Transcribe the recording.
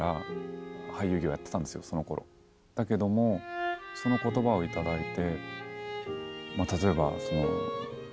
だけどもその言葉を頂いて。